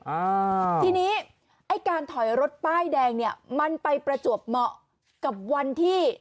อ่าทีนี้ไอ้การถอยรถป้ายแดงเนี่ยมันไปประจวบเหมาะกับวันที่